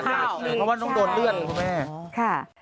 เพราะว่าต้องโดนเลื่อนคุณแม่